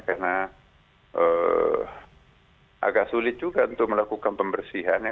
karena agak sulit juga untuk melakukan pembersihan ya